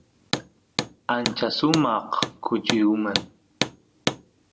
ancha sumaq kuchi uman